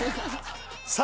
さあ